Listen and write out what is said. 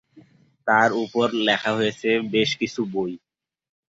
তার ওপর লেখা হয়েছে বেশ কিছু বই।